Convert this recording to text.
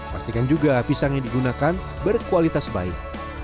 pastikan juga pisang yang digunakan berkualitas baik